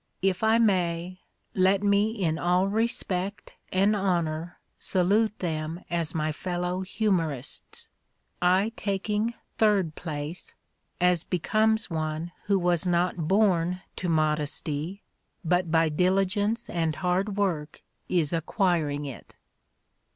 If I may, let me in all respect and honor salute them as my fellow humorists, I taking third place, as' becomes one who was not born to modesty, but by diligence and hard work is, acquiring it.